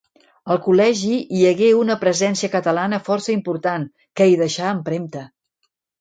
Al Col·legi hi hagué una presència catalana força important, que hi deixà empremta.